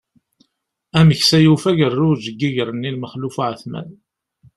Ameksa yufa agerruj deg iger-nni n Maxluf Uεetman.